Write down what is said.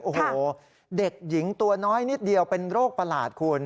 โอ้โหเด็กหญิงตัวน้อยนิดเดียวเป็นโรคประหลาดคุณ